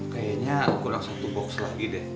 kayaknya kurang satu box lagi deh